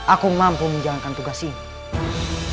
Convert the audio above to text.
aku mampu menjalankan tugas ini